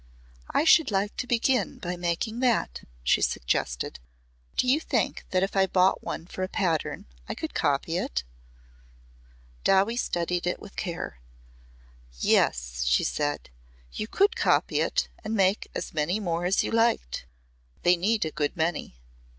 "I should like to begin by making that," she suggested. "Do you think that if I bought one for a pattern I could copy it?" Dowie studied it with care. "Yes," she said. "You could copy it and make as many more as you liked. They need a good many."